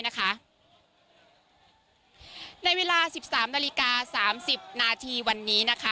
ในเวลา๑๓๓๐นาทีวันนี้